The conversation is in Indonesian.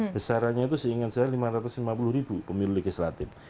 besarannya itu seingat saya lima ratus lima puluh ribu pemilu legislatif